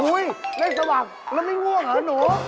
เล่นสว่างแล้วไม่ง่วงเหรอหนู